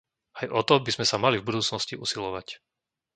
Aj o to by sme sa mali v budúcnosti usilovať.